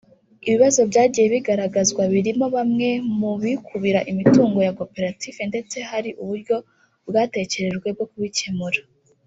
ibibazo byagiye bigaragazwa birimo bamwe mu bikubira imitungo ya koperative ndetse hari uburyo bwatekerejwe bwo kubikemura